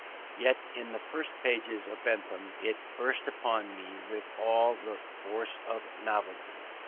Yet in the first pages of Bentham it burst upon me with all the force of novelty.